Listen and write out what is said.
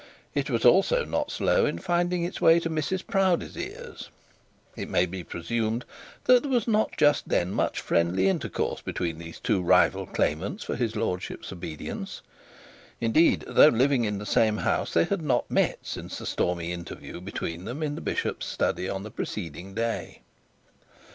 It was also not slow in finding its way to Mrs Proudie's ears. It may be presumed that there was not just much friendly intercourse between these two rival claimants for his lordship's obedience. Indeed, though living in the same house, they had not met since the stormy interview between them in the bishop's study on the preceding day.